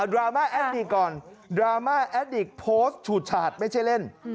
ดราม่าแอดดิกก่อนดราม่าแอดดิกโพสต์ฉูดฉาดไม่ใช่เล่น